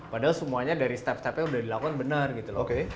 padahal semuanya dari step stepnya udah dilakukan benar gitu loh